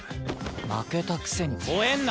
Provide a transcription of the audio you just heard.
負けたくせに吠えんな！